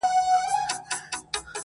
• له دې نه مخكي چي ته ما پرېږدې.